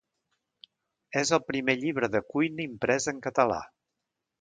És el primer llibre de cuina imprès en català.